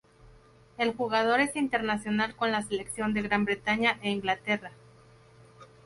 El jugador es Internacional con la Selección de Gran Bretaña e Inglaterra.